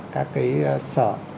các cái sở